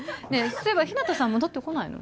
そういえば日向さん戻ってこないの？